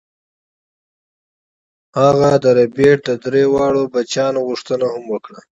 هغه د ربیټ د درې واړو بچیانو غوښتنه هم وکړه